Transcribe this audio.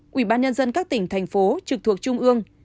quỹ ban nhân dân các tỉnh thành phố trực thuộc trung ương